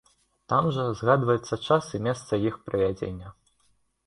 Там жа згадваецца час і месца іх правядзення.